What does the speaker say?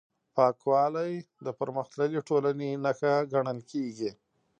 پاکوالی د پرمختللې ټولنې نښه ګڼل کېږي.